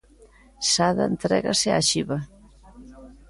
Sada entrégase á xiba.